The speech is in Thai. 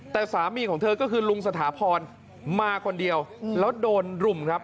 แต่สามีของเธอก็คือลุงสถาพรมาคนเดียวแล้วโดนรุมครับ